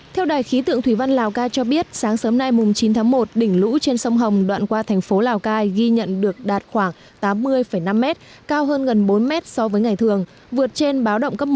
theo đài khí tượng thủy văn lào cai cho biết sáng sớm nay chín tháng một đỉnh lũ trên sông hồng đoạn qua thành phố lào cai ghi nhận được đạt khoảng tám mươi năm m cao hơn gần bốn mét so với ngày thường vượt trên báo động cấp một